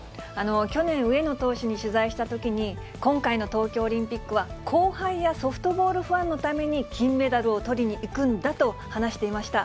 去年、上野投手に取材したときに、今回の東京オリンピックは後輩やソフトボールファンのために金メダルをとりにいくんだと話していました。